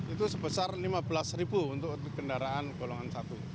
itu sebesar rp lima belas untuk kendaraan golongan satu